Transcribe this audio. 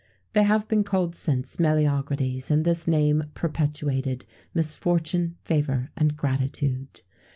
They have been called since, Meleagrides, and this name perpetuated "misfortune, favour, and gratitude."